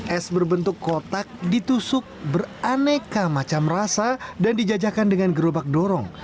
es berbentuk kotak ditusuk beraneka macam rasa dan dijajakan dengan gerobak dorong